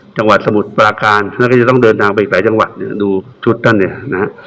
สมุทรปราการแล้วก็จะต้องเดินทางไปอีกหลายจังหวัดเนี่ยดูชุดท่านเนี่ยนะฮะ